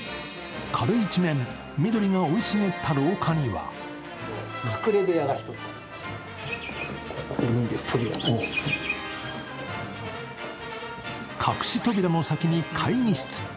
壁一面、緑が生い茂った廊下には隠し扉の先に会議室。